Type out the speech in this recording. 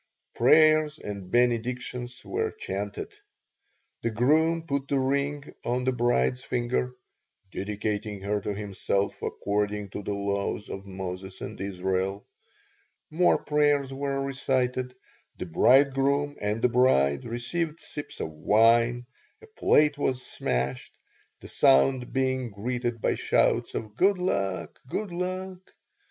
Prayers and benedictions were chanted. The groom put the ring on the bride's finger, "dedicating her to himself according to the laws of Moses and Israel "; more prayers were recited; the bridegroom and the bride received sips of wine; a plate was smashed, the sound being greeted by shouts of "Good luck! Good luck!"